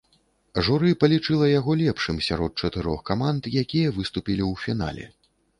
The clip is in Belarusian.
Журы палічыла яго лепшым сярод чатырох каманд, якія выступілі ў фінале.